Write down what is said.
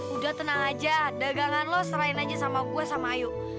udah tenang aja dagangan lo serain aja sama gue sama ayu